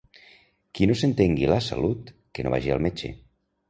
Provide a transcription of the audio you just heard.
Qui no s'entengui la salut que no vagi al metge.